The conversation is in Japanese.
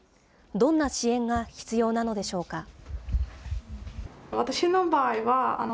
どんな支援が必要なのでしょうか。